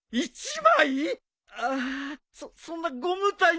ああそんなご無体な。